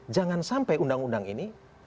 jangan sampai undang undang ini